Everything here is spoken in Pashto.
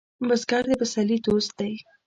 بزګر د پسرلي دوست دی